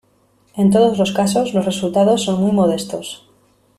En todos los casos los resultados son muy modestos.